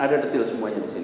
ada detail semuanya di sini